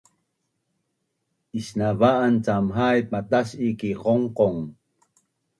Isnava’an cam haip matas’i ki qongqong